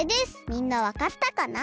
みんなわかったかな？